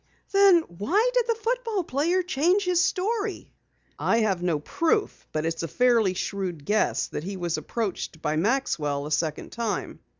"Then why did the football player change his story?" "I have no proof, but it's a fairly shrewd guess that he was approached by Maxwell a second time.